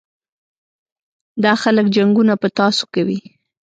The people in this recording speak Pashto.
دا خلک جنګونه په تاسو کوي.